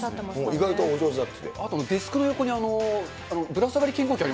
意外とお上手だって。